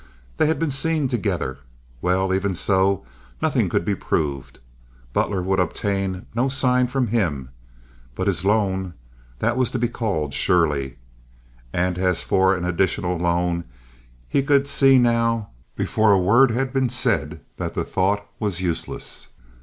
They had been seen together. Well, even so, nothing could be proved. Butler would obtain no sign from him. But his loan—that was to be called, surely. And as for an additional loan, he could see now, before a word had been said, that that thought was useless.